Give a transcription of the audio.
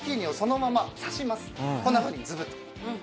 こんなふうにズブっと。